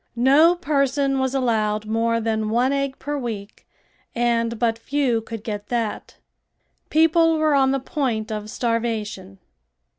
No person was allowed more than one egg per week and but few could get that. People were on the point of starvation.